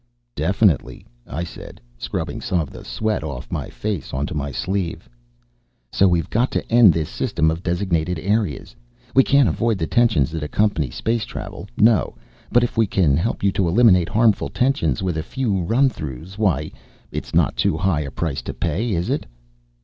"Definitely," I said, scrubbing some of the sweat off my face onto my sleeve. "So we've got to end this system of designated areas. We can't avoid the tensions that accompany space travel, no. But if we can help you eliminate harmful tensions with a few run throughs, why, it's not too high a price to pay, is it?"